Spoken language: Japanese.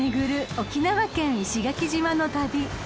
沖縄県石垣島の旅］